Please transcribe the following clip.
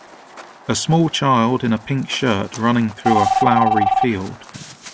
a small child in a pink shirt running through a flowery field.